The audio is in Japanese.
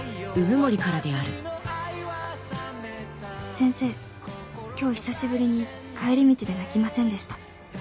「先生今日久しぶりに帰り道で泣きませんでした」。